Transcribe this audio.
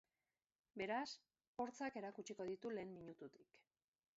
Beraz, hortzak erakutsiko ditu lehen minututik.